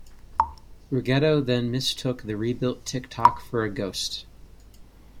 Ruggedo then mistook the rebuilt Tik-Tok for a ghost.